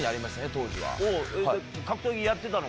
当時は。